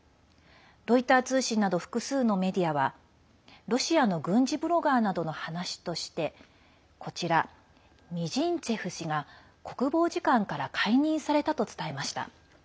ロイター通信など複数のメディアはロシアの軍事ブロガーなどの話としてミジンツェフ氏が国防次官から解任されたと伝えました。